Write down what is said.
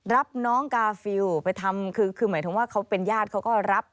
รับน้องกาฟิลไปทำคือหมายถึงว่าเขาเป็นญาติเขาก็รับ